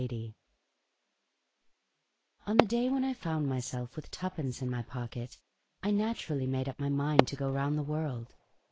ADY ON the day when I found myself with twopence in my pocket, I naturally made up my mind to go round the world.